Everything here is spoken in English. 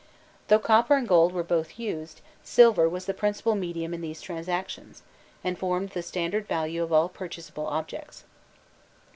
Though copper and gold were both used, silver was the principal medium in these transactions, and formed the standard value of all purchaseable objects.